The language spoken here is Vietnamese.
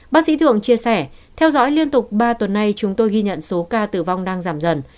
bác sĩ thường chia sẻ theo dõi liên tục ba tuần nay chúng tôi ghi nhận số ca tử vong đang giảm dần